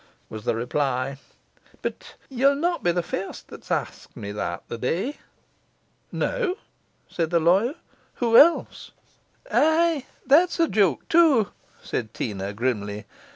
was the reply. 'But ye'll not be the first that's asked me that the day.' 'No?' said the lawyer. 'Who else?' 'Ay, that's a joke, too,' said Teena grimly.